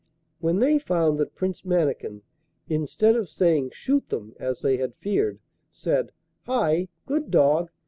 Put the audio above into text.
When they found that Prince Mannikin, instead of saying, 'Shoot them,' as they had feared, said 'Hi, good dog!